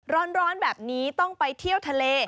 ร้อนแบบนี้ต้องไปเที่ยวทะเล